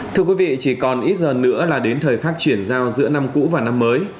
thưa quý vị chỉ còn ít giờ nữa là đến thời khắc chuyển giao giữa năm cũ và năm mới